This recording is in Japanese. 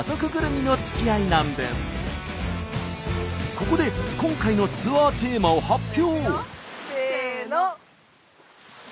ここで今回のツアーテーマを発表。